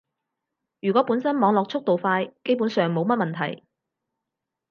如果本身網絡速度快，基本上冇乜問題